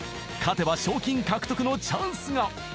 ［勝てば賞金獲得のチャンスが］